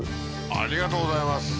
ありがとうございます。